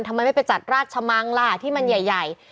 ทำไมไม่ไปจัดราชมังล่ะที่มันใหญ่